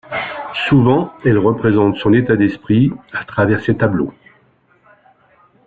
Souvent elle représente son état d'esprit à travers ses tableaux.